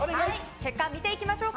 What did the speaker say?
結果、見ていきましょう。